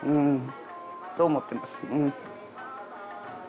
そう思ってますうん。